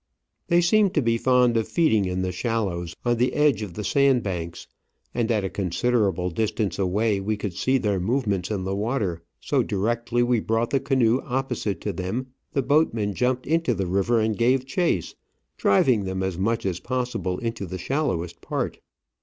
They seem to be fond of feeding in the shallows on the edge of the sand banks, and at a considerable distance away we could see their movements in the water; so directly we brought the canoe opposite to them, the boatmen FISH SCALE (natural SIZE). jumped into the river and gave chase, driving them as much as possible into the shallowest part.